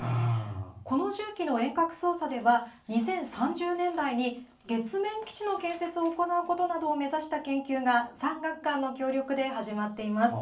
この重機の遠隔操作では２０３０年代に月面基地の建設を行うことなどを目指した研究が産学官の協力で始まっています。